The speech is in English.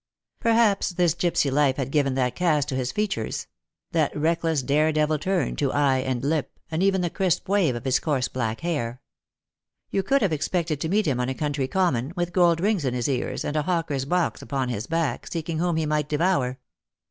Perhaps his gipsy life had given that cast to his features ; that reckless, dare devil turn to eye and lip, and even the crisp wave of his coarse black hair. You could have expected to meet him on a country common, with gold rings in his ears and a hawker's box upon his back, seeking whom he might devour.